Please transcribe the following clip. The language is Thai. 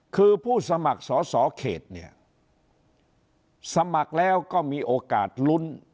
คือผู้สมัครสอสอเขตเนี่ยสมัครแล้วก็มีโอกาสลุ้น